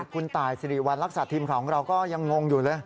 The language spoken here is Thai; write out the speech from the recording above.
คุณต่ายสิริวัณรักษาทีมของเราก็ยังงงอยู่เลย